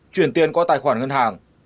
chuyển tiền qua tài khoản ngân hàng